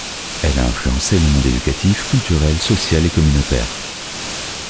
Elle a influencé le monde éducatif, culturel, social et communautaire.